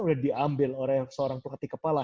sudah diambil oleh seorang ketik kepala